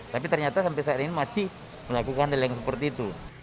tapi ternyata sampai saat ini masih melakukan lelang seperti itu